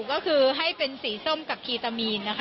ก็คือให้เป็นสีส้มกับคีตามีนนะคะ